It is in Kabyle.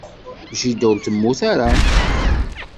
Jida ur temmut ara.